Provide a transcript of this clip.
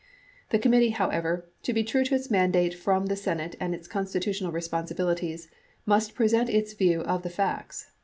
The committee, however, to be true to. its mandate from the Senate and its constitutional responsibilities, must present its view of the facts.